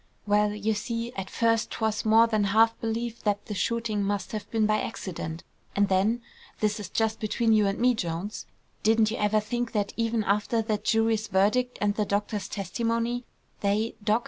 "Well, you see, at first 'twas more than half believed that the shooting must have been by accident; and then, this is just between you and me, Jones; didn't you ever think that even after that jury's verdict, and the doctor's testimony, they, Doc.